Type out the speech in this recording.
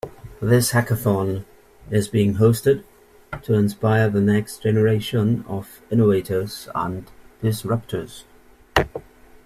This hackathon is being hosted to inspire the next generation of innovators and disruptors.